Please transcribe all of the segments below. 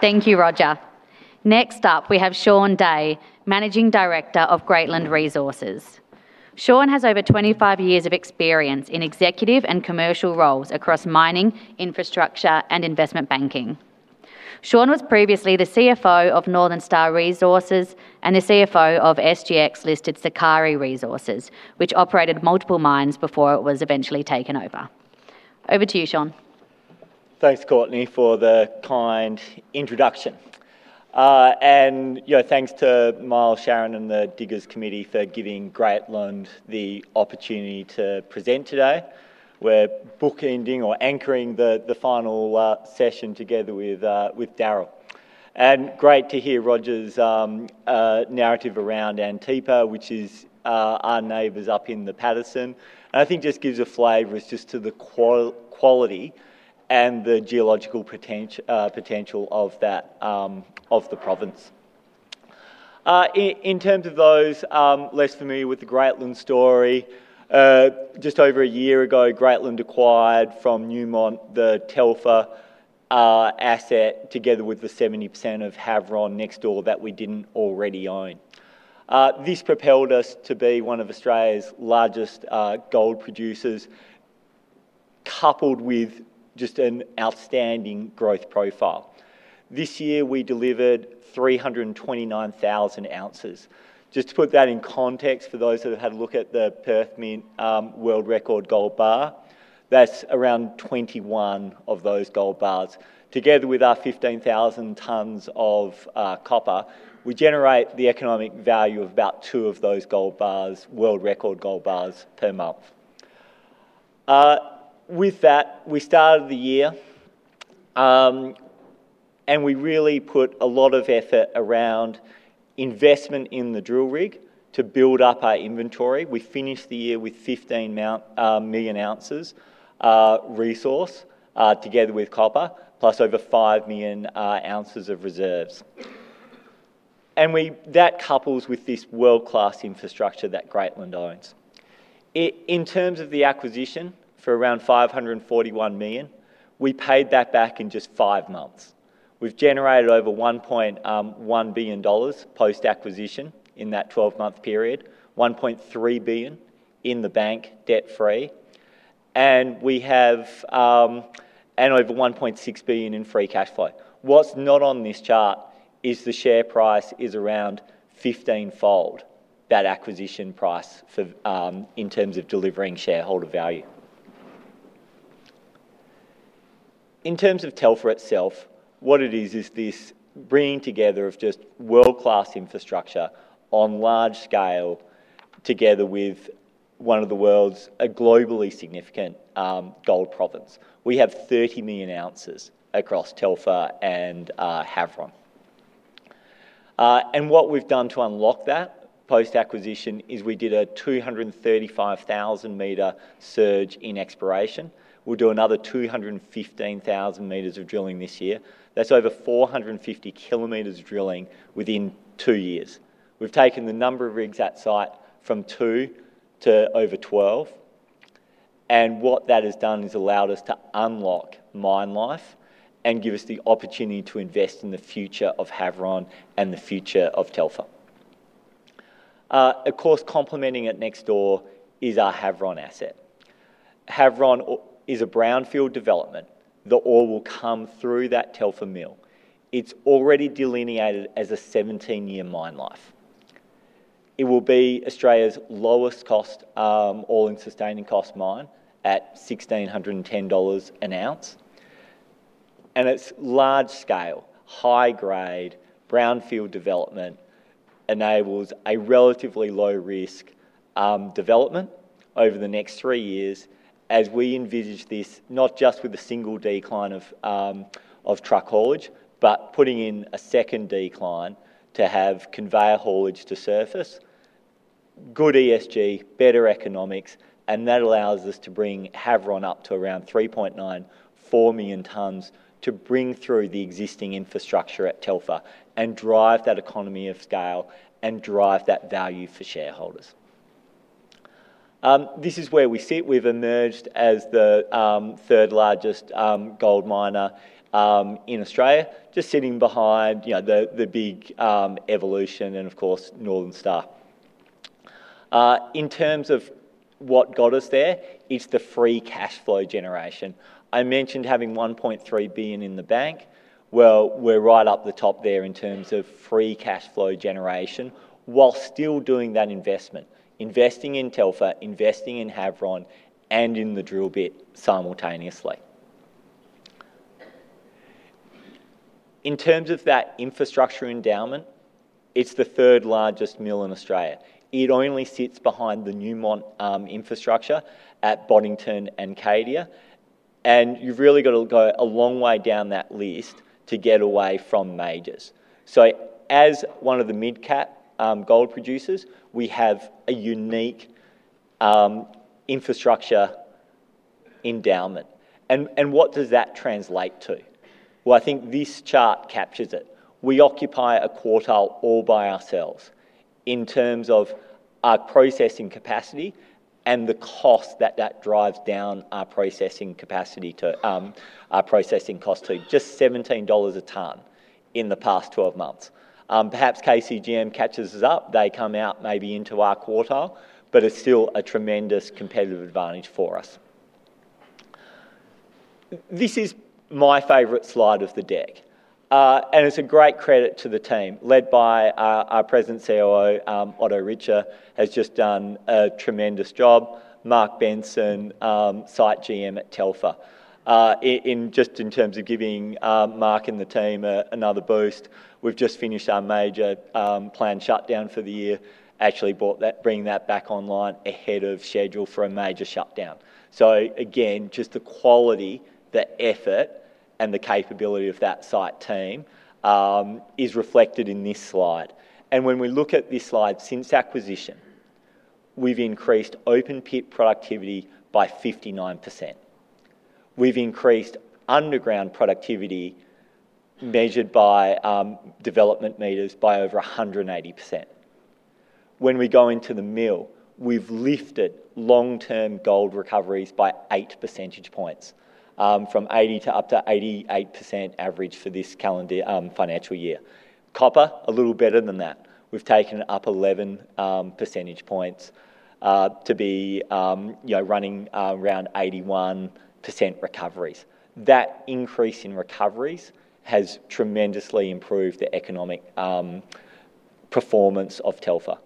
Thank you, Roger. Next up, we have Shaun Day, Managing Director of Greatland Resources. Shaun has over 25 years of experience in executive and commercial roles across mining, infrastructure, and investment banking. Shaun was previously the CFO of Northern Star Resources and the CFO of SGX-listed Sakari Resources, which operated multiple mines before it was eventually taken over. Over to you, Shaun. Thanks, Courtney, for the kind introduction. Thanks to Myles, Sharon, and the Diggers Committee for giving Greatland the opportunity to present today. We're bookending or anchoring the final session together with Daryl. Great to hear Roger's narrative around Antipa, which is our neighbors up in the Paterson. I think just gives a flavor as just to the quality and the geological potential of the province. In terms of those less familiar with the Greatland story, just over a year ago, Greatland acquired from Newmont the Telfer asset together with the 70% of Havieron next door that we didn't already own. This propelled us to be one of Australia's largest gold producers, coupled with just an outstanding growth profile. This year we delivered 329,000 oz. Just to put that in context for those that have had a look at The Perth Mint world record gold bar, that's around 21 of those gold bars. Together with our 15,000 tons of copper, we generate the economic value of about two of those gold bars, world record gold bars, per month. With that, we started the year, we really put a lot of effort around investment in the drill rig to build up our inventory. We finished the year with 15 million ounces resource, together with copper, plus over 5 million ounces of reserves. That couples with this world-class infrastructure that Greatland owns. In terms of the acquisition for around 541 million, we paid that back in just five months. We've generated over 1.1 billion dollars post-acquisition in that 12-month period, 1.3 billion in the bank, debt-free. We have over 1.6 billion in free cash flow. What's not on this chart is the share price is around 15 fold that acquisition price in terms of delivering shareholder value. In terms of Telfer itself, what it is this bringing together of just world-class infrastructure on large scale together with one of the world's globally significant gold province. We have 30 million ounces across Telfer and Havieron. What we've done to unlock that post-acquisition is we did a 235,000 m surge in exploration. We'll do another 215,000 m of drilling this year. That's over 450 km of drilling within two years. We've taken the number of rigs at site from two to over 12, and what that has done is allowed us to unlock mine life and give us the opportunity to invest in the future of Havieron and the future of Telfer. Of course, complementing it next door is our Havieron asset. Havieron is a brownfield development. The ore will come through that Telfer Mill. It's already delineated as a 17-year mine life. It will be Australia's lowest cost all-in sustaining cost mine at 1,610 dollars an ounce. Its large scale, high grade brownfield development enables a relatively low risk development over the next three years as we envisage this, not just with a single decline of truck haulage, but putting in a second decline to have conveyor haulage to surface. Good ESG, better economics, that allows us to bring Havieron up to around 3.9 million tons, 4 million tons to bring through the existing infrastructure at Telfer and drive that economy of scale and drive that value for shareholders. This is where we sit. We've emerged as the third largest gold miner in Australia, just sitting behind the big Evolution and, of course, Northern Star. In terms of what got us there, it's the free cash flow generation. I mentioned having 1.3 billion in the bank. Well, we're right up the top there in terms of free cash flow generation while still doing that investment, investing in Telfer, investing in Havieron, and in the drill bit simultaneously. In terms of that infrastructure endowment, it's the third largest mill in Australia. It only sits behind the Newmont infrastructure at Boddington and Cadia, you've really got to go a long way down that list to get away from majors. As one of the mid-cap gold producers, we have a unique infrastructure endowment. What does that translate to? Well, I think this chart captures it. We occupy a quartile all by ourselves in terms of our processing capacity and the cost that drives down our processing cost to just 17 dollars a ton in the past 12 months. Perhaps KCGM catches us up. They come out maybe into our quartile, but it's still a tremendous competitive advantage for us. This is my favorite slide of the deck, and it's a great credit to the team led by our President, COO, Otto Richter, has just done a tremendous job. Mark Benson, site GM at Telfer. Just in terms of giving Mark and the team another boost, we've just finished our major planned shutdown for the year, actually bringing that back online ahead of schedule for a major shutdown. Again, just the quality, the effort, and the capability of that site team is reflected in this slide. When we look at this slide, since acquisition, we've increased open pit productivity by 59%. We've increased underground productivity measured by development meters by over 180%. When we go into the mill, we've lifted long-term gold recoveries by 8 percentage points, from 80% to up to 88% average for this financial year. Copper, a little better than that. We've taken it up 11 percentage points to be running around 81% recoveries. That increase in recoveries has tremendously improved the economic performance of Telfer.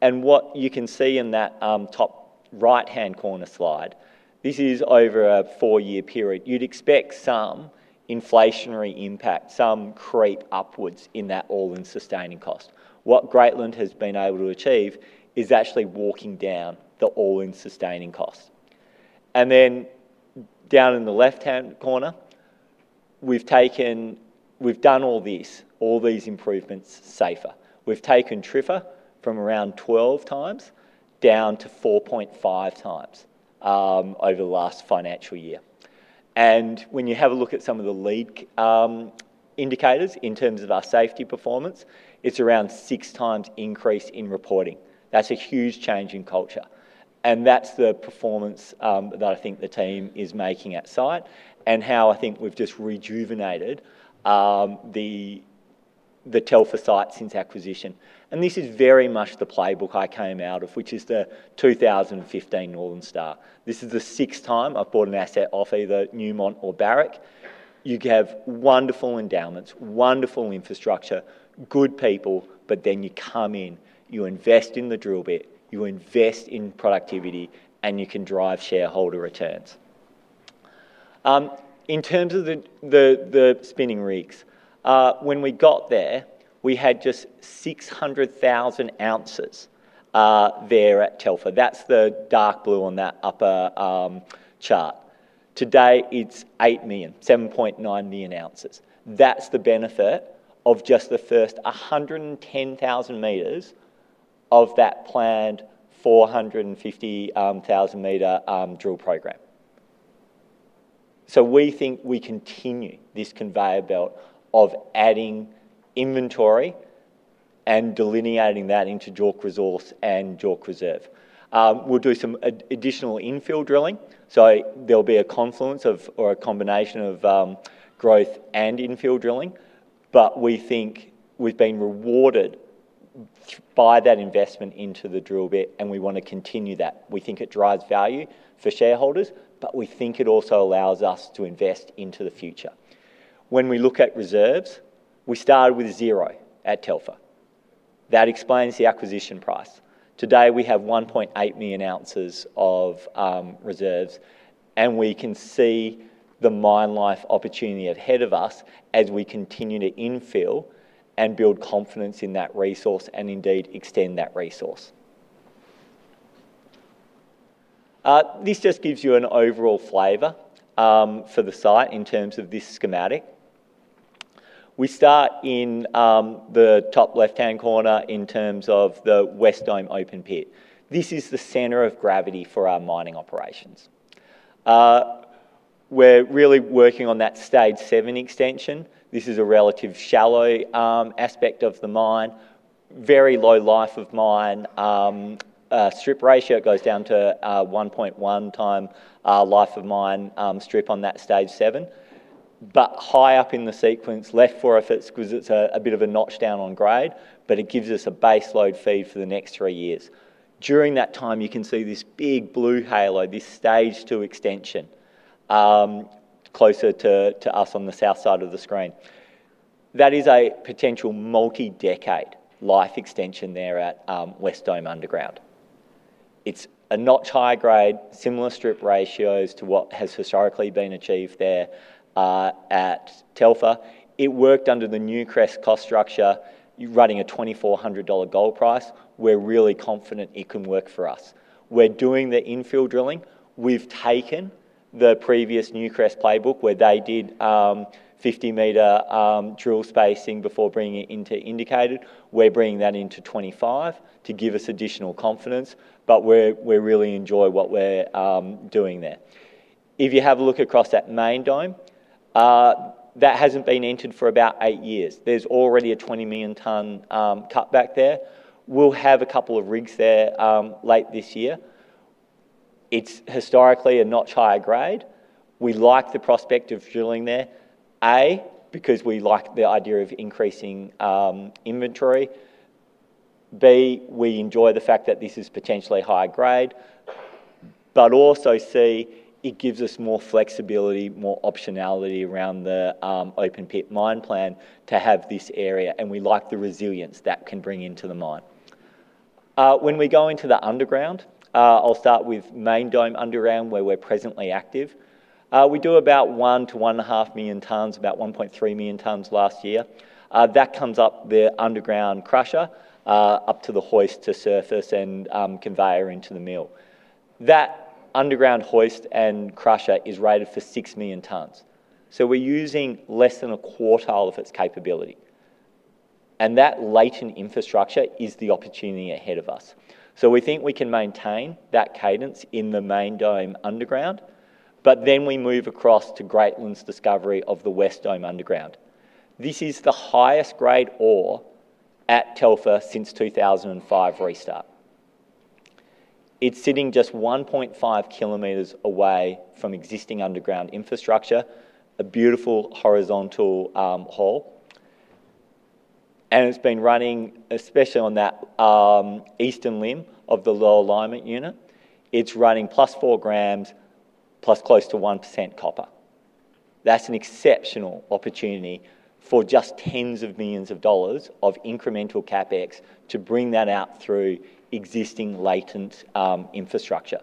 What you can see in that top right-hand corner slide, this is over a four-year period. You'd expect some inflationary impact, some creep upwards in that all-in sustaining cost. What Greatland has been able to achieve is actually walking down the all-in sustaining cost. Then down in the left-hand corner, we've done all these improvements safer. We've taken TRIFR from around 12x down to 4.5x over the last financial year. When you have a look at some of the lead indicators in terms of our safety performance, it's around 6x increase in reporting. That's a huge change in culture, and that's the performance that I think the team is making at site and how I think we've just rejuvenated the Telfer site since acquisition. This is very much the playbook I came out of, which is the 2015 Northern Star. This is the sixth time I've bought an asset off either Newmont or Barrick. You have wonderful endowments, wonderful infrastructure, good people, but then you come in, you invest in the drill bit, you invest in productivity, and you can drive shareholder returns. In terms of the spinning rigs, when we got there, we had just 600,000 oz there at Telfer. That's the dark blue on that upper chart. Today, it's 8 million ounces, 7.9 million ounces. That's the benefit of just the first 110,000 m of that planned 450,000 m drill program. We think we continue this conveyor belt of adding inventory and delineating that into JORC resource and JORC reserve. We'll do some additional infill drilling, so there'll be a confluence or a combination of growth and infill drilling. We think we've been rewarded by that investment into the drill bit, and we want to continue that. We think it drives value for shareholders, but we think it also allows us to invest into the future. When we look at reserves, we started with zero at Telfer. That explains the acquisition price. Today, we have 1.8 million ounces of reserves, and we can see the mine life opportunity ahead of us as we continue to infill and build confidence in that resource and indeed extend that resource. This just gives you an overall flavor for the site in terms of this schematic. We start in the top left-hand corner in terms of the West Dome open pit. This is the center of gravity for our mining operations. We're really working on that Stage 7 extension. This is a relatively shallow aspect of the mine. Very low life of mine. Strip ratio goes down to 1.1 time life of mine strip on that Stage 7. High up in the sequence, left for us because it's a bit of a notch down on grade, but it gives us a base load feed for the next three years. During that time, you can see this big blue halo, this Stage 2 extension, closer to us on the south side of the screen. That is a potential multi-decade life extension there at West Dome underground. It's a notch higher grade, similar strip ratios to what has historically been achieved there at Telfer. It worked under the Newcrest cost structure running a 2,400 dollar gold price. We're really confident it can work for us. We're doing the infill drilling. We've taken the previous Newcrest playbook where they did 50 m drill spacing before bringing it into indicated. We're bringing that into 25 to give us additional confidence, but we really enjoy what we're doing there. If you have a look across that Main Dome, that hasn't been entered for about eight years. There's already a 20 million ton cut back there. We'll have a couple of rigs there late this year. It's historically a notch higher grade. We like the prospect of drilling there. A, because we like the idea of increasing inventory. B, we enjoy the fact that this is potentially high grade. C, it gives us more flexibility, more optionality around the open pit mine plan to have this area, and we like the resilience that can bring into the mine. When we go into the underground, I'll start with Main Dome underground, where we're presently active. We do about 1 million tons-1.5 million tons, about 1.3 million tons last year. That comes up the underground crusher, up to the hoist to surface, and conveyor into the mill. That underground hoist and crusher is rated for 6 million tons. We're using less than a quarter of its capability. That latent infrastructure is the opportunity ahead of us. We think we can maintain that cadence in the Main Dome underground, we move across to Greatland's discovery of the West Dome underground. This is the highest grade ore at Telfer since 2005 restart. It's sitting just 1.5 km away from existing underground infrastructure, a beautiful horizontal hole. It's been running, especially on that eastern limb of the Lower Limey Unit. It's running +4 g, plus close to 1% copper. That's an exceptional opportunity for just tens of millions of dollars of incremental CapEx to bring that out through existing latent infrastructure.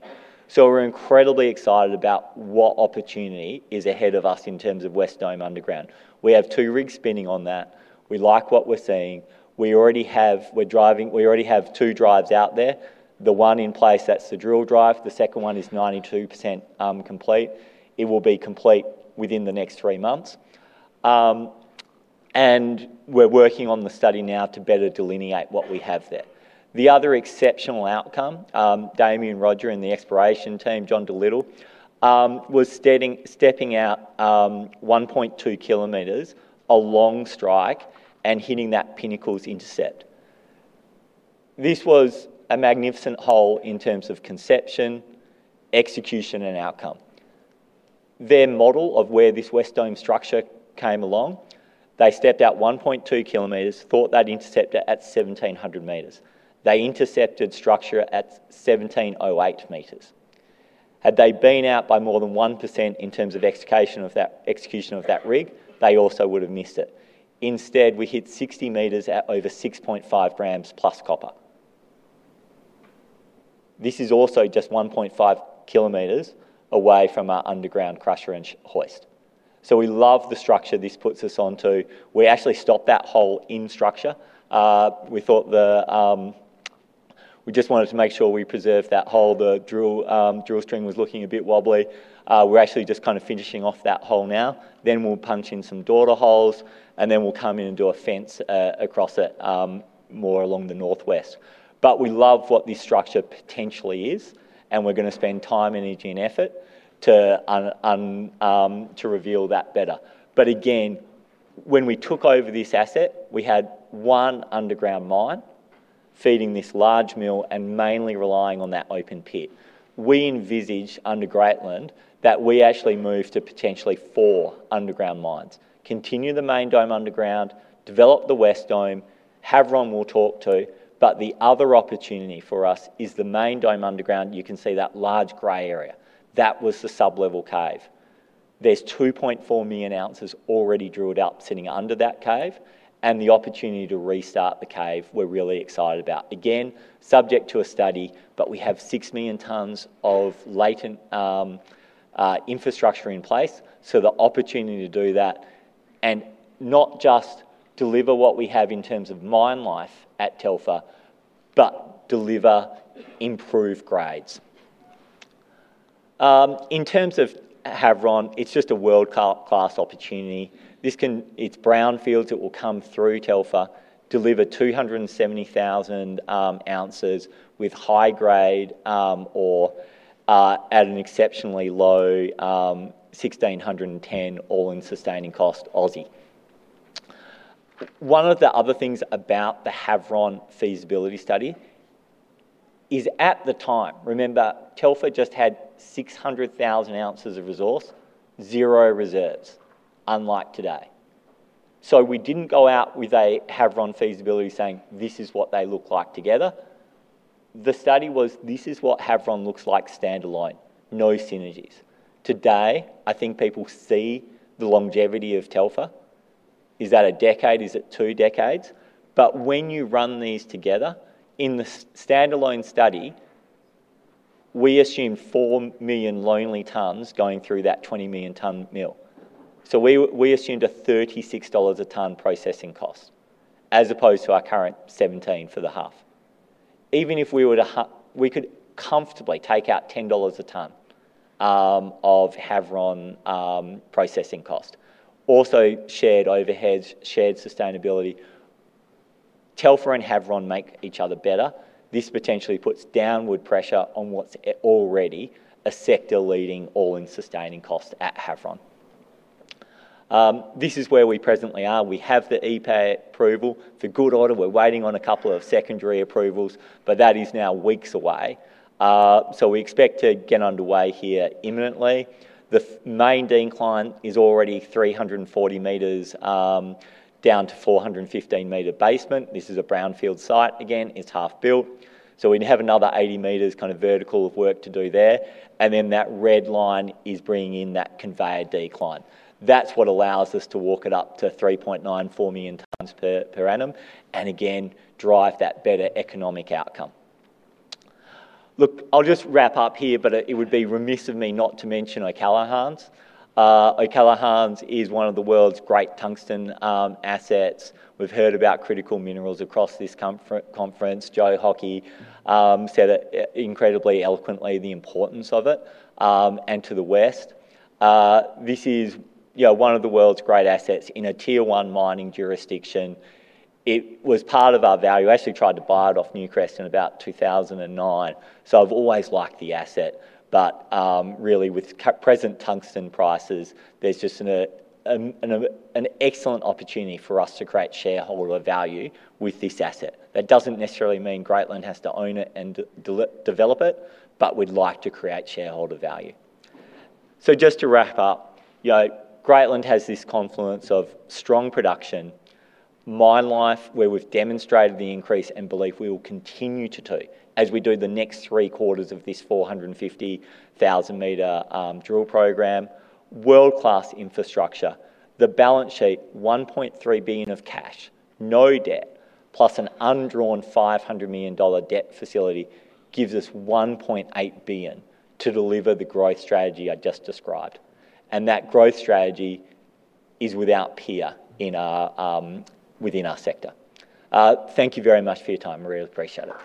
We're incredibly excited about what opportunity is ahead of us in terms of West Dome underground. We have two rigs spinning on that. We like what we're seeing. We already have two drives out there. The one in place, that's the drill drive. The second one is 92% complete. It will be complete within the next three months. We're working on the study now to better delineate what we have there. The other exceptional outcome, Damian Rodger and the exploration team, John Doolittle, was stepping out 1.2 km, a long strike, and hitting that Pinnacles intercept. This was a magnificent hole in terms of conception, execution, and outcome. Their model of where this West Dome structure came along, they stepped out 1.2 km, thought they'd intercept it at 1,700 m. They intercepted structure at 1,708 m. Had they been out by more than 1% in terms of execution of that rig, they also would have missed it. Instead, we hit 60 m at over 6.5+ g copper. This is also just 1.5 km away from our underground crusher and hoist. We love the structure this puts us on to. We actually stopped that hole in structure. We just wanted to make sure we preserved that hole. The drill string was looking a bit wobbly. We're actually just kind of finishing off that hole now. We'll punch in some daughter holes, we'll come in and do a fence across it more along the Northwest. We love what this structure potentially is, we're going to spend time, energy, and effort to reveal that better. When we took over this asset, we had one underground mine feeding this large mill and mainly relying on that open pit. We envisage under Greatland that we actually move to potentially four underground mines. Continue the Main Dome underground, develop the West Dome, Havieron we'll talk to. The other opportunity for us is the Main Dome underground. You can see that large gray area. That was the sublevel cave. There's 2.4 million ounces already drilled out sitting under that cave, and the opportunity to restart the cave, we're really excited about. Again, subject to a study, but we have 6 million tons of latent infrastructure in place. The opportunity to do that and not just deliver what we have in terms of mine life at Telfer, but deliver improved grades. In terms of Havieron, it's just a world-class opportunity. It's brownfields. It will come through Telfer, deliver 270,000 oz with high-grade ore at an exceptionally low, 1,610 all-in sustaining cost. One of the other things about the Havieron feasibility study is at the time, remember, Telfer just had 600,000 oz of resource, zero reserves, unlike today. We didn't go out with a Havieron feasibility saying, this is what they look like together. The study was, this is what Havieron looks like standalone. No synergies. Today, I think people see the longevity of Telfer. Is that a decade? Is it two decades? When you run these together, in the standalone study, we assumed 4 million lonely tons going through that 20 million ton mill. We assumed a 36 dollars a ton processing cost, as opposed to our current 17 for the half. We could comfortably take out 10 dollars a ton of Havieron processing cost. Shared overheads, shared sustainability. Telfer and Havieron make each other better. This potentially puts downward pressure on what's already a sector-leading, all-in sustaining cost at Havieron. This is where we presently are. We have the EPA approval. For good order, we're waiting on a couple of secondary approvals, but that is now weeks away. We expect to get underway here imminently. The main decline is already 340 m down to 415 m basement. This is a brownfield site, again, it's half built. We have another 80 m vertical of work to do there. That red line is bringing in that conveyor decline. That's what allows us to walk it up to 3.94 million ton per annum, and again, drive that better economic outcome. I'll just wrap up here, but it would be remiss of me not to mention O'Callaghans. O'Callaghans is one of the world's great tungsten assets. We've heard about critical minerals across this conference. Joe Hockey said incredibly eloquently the importance of it, and to the West. This is one of the world's great assets in a Tier 1 mining jurisdiction. It was part of our value. I actually tried to buy it off Newcrest in about 2009, so I've always liked the asset. Really with present tungsten prices, there's just an excellent opportunity for us to create shareholder value with this asset. That doesn't necessarily mean Greatland has to own it and develop it, but we'd like to create shareholder value. Just to wrap up, Greatland has this confluence of strong production, mine life, where we've demonstrated the increase and believe we will continue to do as we do the next three quarters of this 450,000 m drill program. World-class infrastructure. The balance sheet, 1.3 billion of cash, no debt, plus an undrawn 500 million dollar debt facility gives us 1.8 billion to deliver the growth strategy I just described. That growth strategy is without peer within our sector. Thank you very much for your time. Really appreciate it.